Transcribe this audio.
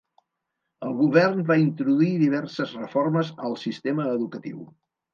El govern va introduir diverses reformes al sistema educatiu.